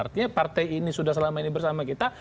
artinya partai ini sudah selama ini bersama kita